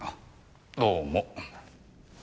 どうも。